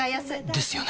ですよね